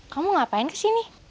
kamu ngapain kesini